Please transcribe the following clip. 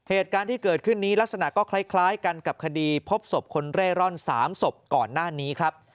เหตุการณ์ที่เกิดขึ้นนี้ลักษณะก็คล้ายกันกับคดีพบศพคนเร่ร่อน๓ศพก่อนหน้านี้ครับ